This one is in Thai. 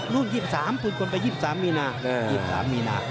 พื้นกลไป๒๓มีนา